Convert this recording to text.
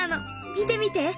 見てみて。